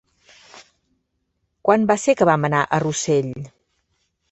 Quan va ser que vam anar a Rossell?